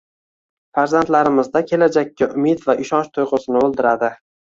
Farzandlarimizda kelajakka umid va ishonch tuygʻusini oʻldiradi!